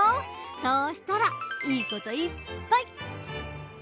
そうしたらいいこといっぱい！